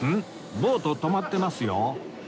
ボート止まってますよ